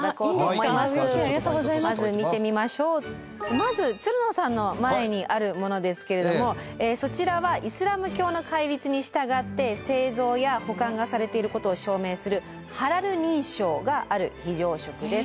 まずつるのさんの前にあるものですけれどもそちらはイスラム教の戒律に従って製造や保管がされていることを証明するハラル認証がある非常食です。